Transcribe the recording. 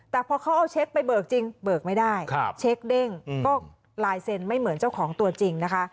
แต่พอเขาเอาเช็คไปเบิกจริงเบิกไม่ได้เช็คเด้งก็ลายเซ็นต์ไม่เหมือนเจ้าของตัวจริงนะคะ